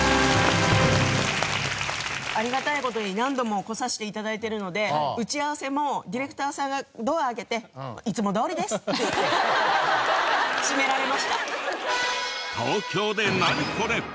ありがたい事に何度も来させて頂いているので打ち合わせもディレクターさんがドア開けて「いつもどおりです」って言って閉められました。